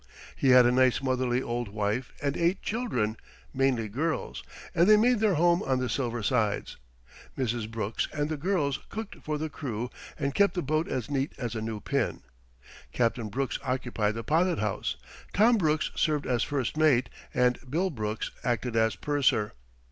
He had a nice, motherly old wife and eight children, mainly girls, and they made their home on the Silver Sides. Mrs. Brooks and the girls cooked for the crew and kept the boat as neat as a new pin. Captain Brooks occupied the pilot house; Tom Brooks served as first mate, and Bill Brooks acted as purser.